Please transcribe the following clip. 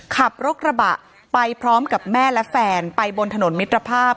ขับรถกระบะไปพร้อมกับแม่และแฟนไปบนถนนมิตรภาพ